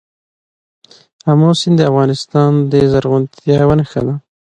آمو سیند د افغانستان د زرغونتیا یوه نښه ده.